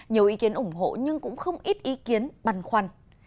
nhiều ý kiến ủng hộ nhưng cũng không ít ý kiến băn khoăn